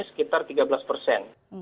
sekitar tiga belas persen